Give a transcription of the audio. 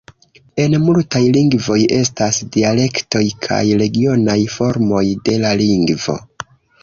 En multaj lingvoj estas dialektoj kaj regionaj formoj de la lingvo.